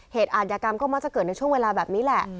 อาจยากรรมก็มักจะเกิดในช่วงเวลาแบบนี้แหละ